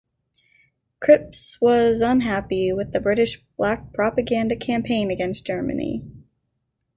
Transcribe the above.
Cripps was unhappy with the British black propaganda campaign against Germany.